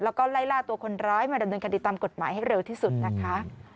แล้วก็ไล่ล่าตัวคนร้ายมาดำเนินคดีตามกฎหมายให้เร็วที่สุดนะคะ